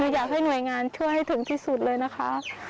อยากให้หน่วยงานช่วยให้ถึงที่สุดเลยนะคะ